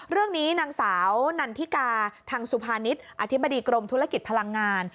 เรื่องนี้นางสาวนันทิกาทางสุภานิษฐ์อธิบดีกรมธุรกิจพลังงาน